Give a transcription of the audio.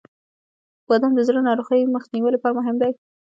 • بادام د زړه د ناروغیو د مخنیوي لپاره مهم دی.